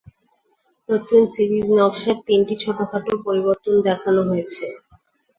নতুন সিরিজ নকশার তিনটি ছোটখাটো পরিবর্তন দেখানো হয়েছে।